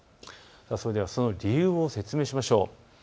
それではその理由を説明しましょう。